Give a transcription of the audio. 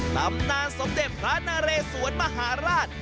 ตำนานสมเด็จพระนเรสวนมหาราช